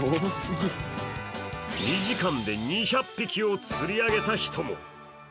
２時間で２００匹を釣り上げた人も。